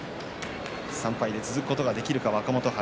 ３敗で続くことができるか若元春。